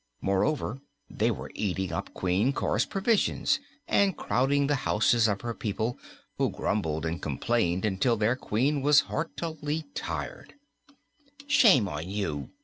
Moreover, they were eating up Queen Cor's provisions and crowding the houses of her own people, who grumbled and complained until their Queen was heartily tired. "Shame on you!"